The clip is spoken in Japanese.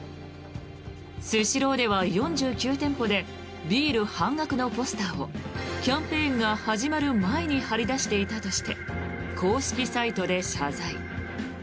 スシローでは４９店舗でビール半額のポスターをキャンペーンが始まる前に貼り出していたとして公式サイトで謝罪。